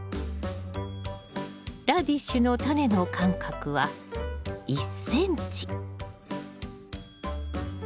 ラディッシュのタネの間隔は１ｃｍ。